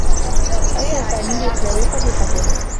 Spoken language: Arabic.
أتى سامي لإقلال صديقته.